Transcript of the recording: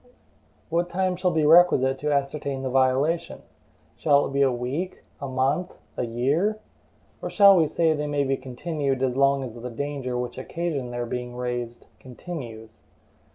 What time shall be requisite to ascertain the violation? Shall it be a week, a month, a year? Or shall we say they may be continued as long as the danger which occasioned their being raised continues?